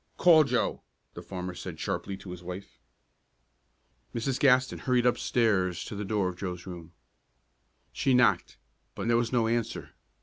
"Call Joe!" the farmer said sharply to his wife. Mrs. Gaston hurried upstairs to the door of Joe's room. She knocked, but there was no answer.